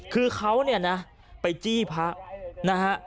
คือเขาเนี่ยนะไปจี้พระนะฮะ